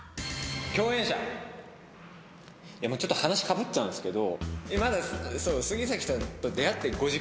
共演者、話かぶっちゃうんですけど。